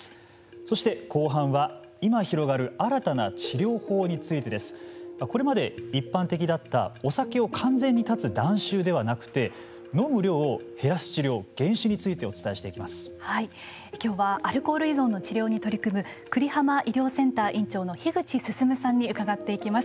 そして、後半は今、広がる新たな治療法についてです。これまで一般的だったお酒を完全に断つ断酒ではなくて飲む量を減らす治療減酒についてきょうはアルコール依存の治療に取り組む久里浜医療センター院長の樋口進さんに伺っていきます。